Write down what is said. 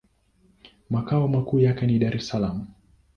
Makao makuu yake ni Dar-es-Salaam.